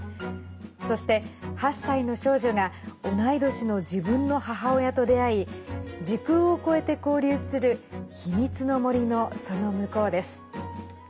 そして、８歳の少女が同い年の自分の母親と出会い時空を超えて交流する「秘密の森の、その向こう」です。